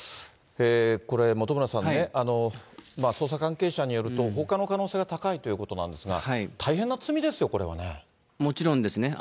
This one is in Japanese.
これ、本村さん、捜査関係者によると、放火の可能性が高いということなんですが、大変な罪ですよ、もちろんですね。